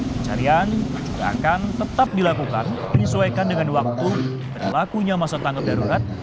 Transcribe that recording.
pencarian juga akan tetap dilakukan menyesuaikan dengan waktu berlakunya masa tanggap darurat